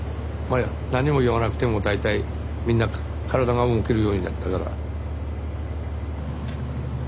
あ何も言わなくても大体みんな体が動けるようになったから。